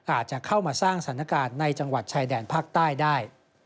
อาจจะเข้ามาสร้างสถานการณ์ในจังหวัดชายแดนภาคใต้ได้